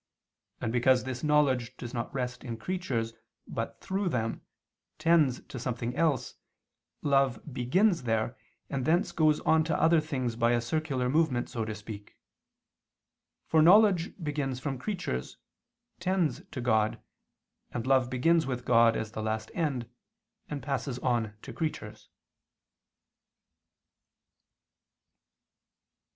And because this knowledge does not rest in creatures, but, through them, tends to something else, love begins there, and thence goes on to other things by a circular movement so to speak; for knowledge begins from creatures, tends to God, and love begins with God as the last end, and passes on to creatures.